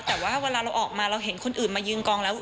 แต่ว่าเวลาเราออกมาเราเห็นคนอื่นมายืนกองแล้ว